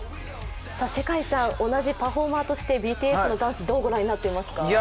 世界さん、同じパフォーマーとしてＢＴＳのダンス、どう御覧になっていますか？